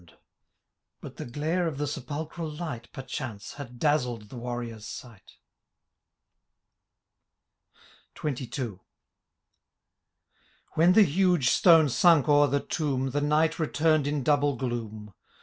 56 But the glare of the sepulchial light, Peichance, had dazzled the warrior^s sight XXII. Wlien the huge stone sunk o^ei the tomb. The night returned in double gloom